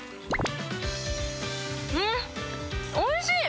うん、おいしい。